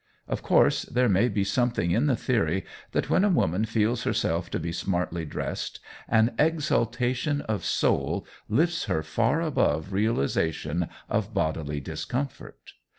Of course there may be something in the theory that when a woman feels herself to be smartly dressed, an exaltation of soul lifts her far above realization of bodily discomfort.